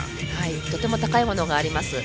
とても高いものがあります。